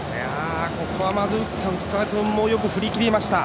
ここは打った藤澤君も振り切りました。